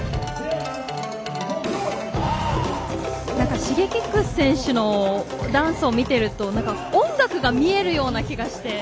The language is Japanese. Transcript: Ｓｈｉｇｅｋｉｘ選手のダンスを見ていると音楽が見えるような気がして。